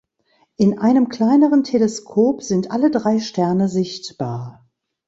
In einem kleineren Teleskop sind alle drei Sterne sichtbar.